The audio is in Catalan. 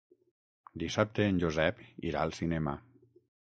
Dissabte en Josep irà al cinema.